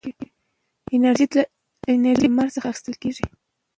انرژي له لمره اخېستل کېږي.